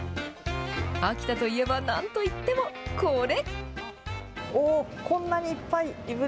秋田といえば、なんといってもこれ。